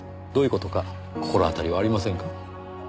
どういう事か心当たりはありませんか？